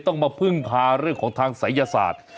ต้องมาพึ่งพาเรื่องของทางศัยศาสตร์